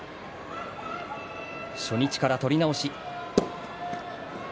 初日から取り直し。